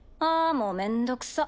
もうめんどくさっ。